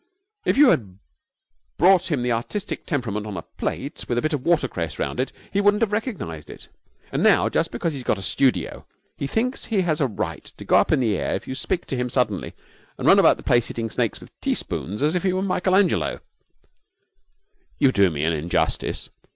If you had brought him the artistic temperament on a plate with a bit of watercress round it, he wouldn't have recognized it. And now, just because he's got a studio, he thinks he has a right to go up in the air if you speak to him suddenly and run about the place hitting snakes with teaspoons as if he were Michelangelo!' 'You do me an injustice.